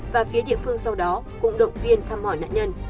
và phía địa phương sau đó cũng động viên thăm hỏi nạn nhân